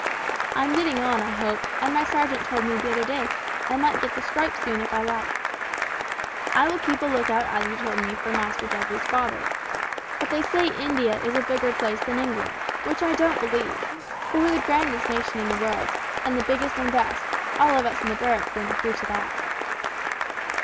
I am getting on, I hope, and my sergeant told me the other day I might get the stripe soon if I liked. I will keep a lookout as you told me for Master Dudley's father, but they say India is a bigger place than England, which I don't believe, for we're the grandest nation in the world, and the biggest and the best, all of us in the barrack room agree to that.